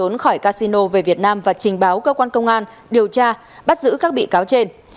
bỏ trốn khỏi casino về việt nam và trình báo cơ quan công an điều tra bắt giữ các bị cáo trên